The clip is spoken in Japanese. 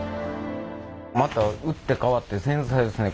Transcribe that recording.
また打って変わって繊細ですね